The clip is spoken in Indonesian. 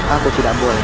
aku tidak boleh